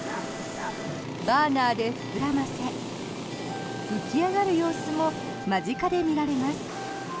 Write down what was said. バーナーで膨らませ浮き上がる様子も間近で見られます。